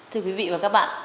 thưa quý vị và các bạn